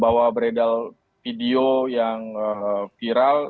bahwa beredar video yang viral